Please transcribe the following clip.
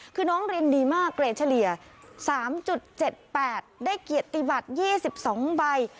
คือน้องเรียนดีมากเกรดเฉลี่ย๓๗๘ได้เกียรติบัตร๒๒ใบ